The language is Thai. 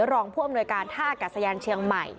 รองผู้อำนวยการท่าอากาศยานเชียงใหม่